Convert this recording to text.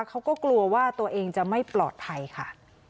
เขาก็กลัวว่าตัวเองจะไม่ปลอดภัยค่ะ